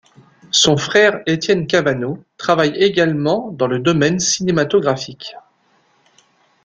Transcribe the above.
Son frère Étienne Cannavo travaille également dans le domaine cinématographique.